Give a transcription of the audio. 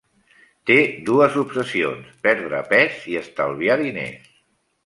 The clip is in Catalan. Té dues obsessions: perdre pes i estalviar diners.